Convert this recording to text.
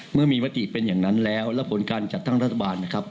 เมื่อมีมติเป็นอย่างนั้นแล้วแล้วผลการจัดตั้งรัฐบาลนะครับ